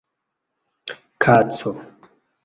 kaco